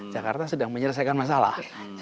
jakarta sedang menyelesaikan masalah